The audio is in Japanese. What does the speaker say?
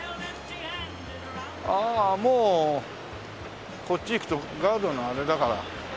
ああもうこっち行くとガードのあれだから。